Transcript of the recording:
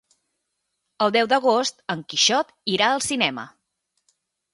El deu d'agost en Quixot irà al cinema.